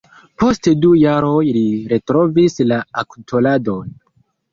Post du jaroj, li retrovis la aktoradon.